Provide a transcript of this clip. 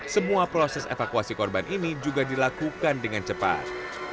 semua proses evakuasi korban ini juga dilakukan dengan cepat